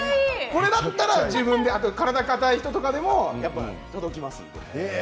これだったら体、かたい人でも届きます。